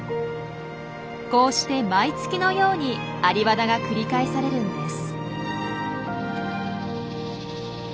こうして毎月のようにアリバダが繰り返されるんです。